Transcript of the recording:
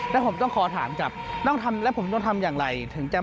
แล้วผมต้องขอถามกับแล้วผมต้องทำอย่างไร